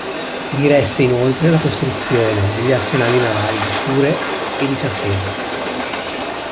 Diresse inoltre la costruzione degli arsenali navali di Kure e di Sasebo.